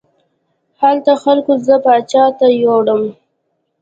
هلته خلکو زه پاچا ته یووړم.